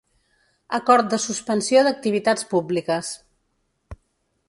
Acord de suspensió d’activitats públiques.